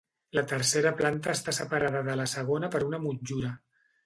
La tercera planta està separada de la segona per una motllura.